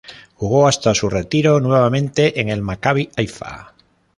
Jugó hasta su retiro nuevamente en el Maccabi Haifa.